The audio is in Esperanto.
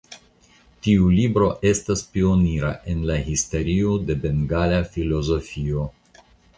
Tiu libro estas pionira en la historio de bengala filozofio.